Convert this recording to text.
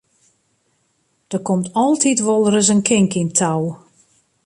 Der komt altyd wolris in kink yn 't tou.